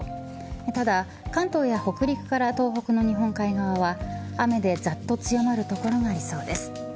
ただ関東や北陸から東北の日本海側は雨でざっと強まる所がありそうです。